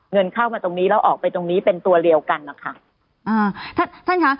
เงินเข้ามาตรงนี้แล้วออกไปตรงนี้เป็นตัวเรียวกันนะคะ